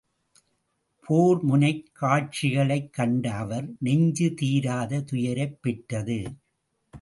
போர் முனைக் காட்சிகளைக் கண்ட அவர் நெஞ்சு தீராத துயரைப் பெற்றது.